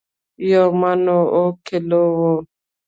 یو من اوو کیلو دي